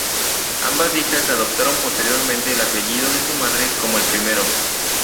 Ambas hijas adoptaron posteriormente el apellido de su madre como el primero.